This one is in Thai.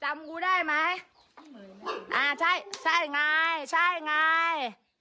กูได้ไหมอ่าใช่ใช่ไงใช่ไง